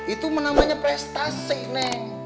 itu menangannya prestasi neng